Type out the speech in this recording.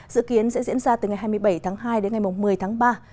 dự kiến sẽ diễn ra từ ngày hai mươi bảy tháng hai đến ngày một mươi tháng ba